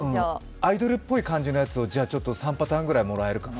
アイドルっぽい感じのやつを３パターンくらいもらえるかな。